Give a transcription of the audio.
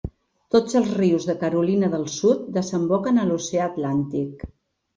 Tots els rius de Carolina del Sud desemboquen a l'oceà Atlàntic.